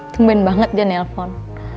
tungguin banget dia nelfon